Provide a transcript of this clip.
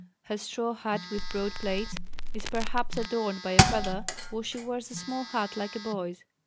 Her straw hat with broad plaits is perhaps adorned by a feather, or she wears a small hat like a boy's.